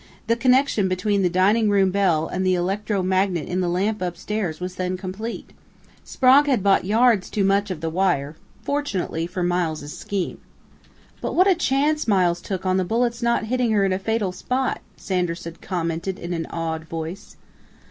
"The connection between the dining room bell and the electro magnet in the lamp upstairs was then complete.... Sprague had bought yards too much of the wire fortunately for Miles' scheme." "But what a chance Miles took on the bullet's not hitting her in a fatal spot!" Sanderson commented in an awed voice.